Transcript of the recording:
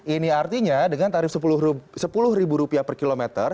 ini artinya dengan tarif rp sepuluh per kilometer